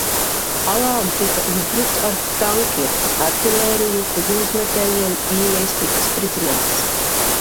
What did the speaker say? Alām tika uzbrukts ar tankiem, artilēriju, ugunsmetējiem, ieejas tika spridzinātas.